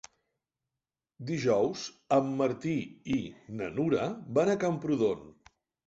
Dijous en Martí i na Nura van a Camprodon.